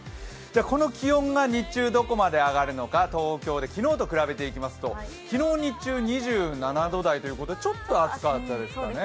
この気温が日中どこまで上がるのか、東京で昨日と比べていきますと昨日、日中２７度台ということでちょっと暑かったですね。